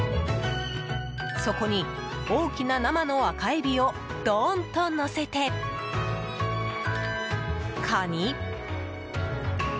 そこに大きな生のアカエビをドーンとのせてカニ。